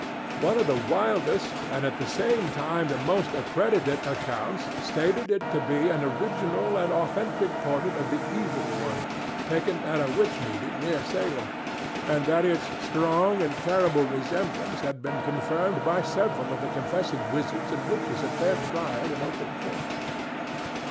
One of the wildest, and at the same time the best accredited, accounts stated it to be an original and authentic portrait of the evil one, taken at a witch meeting near Salem, and that its strong and terrible resemblance had been confirmed by several of the confessing wizards and witches at their trial in open court.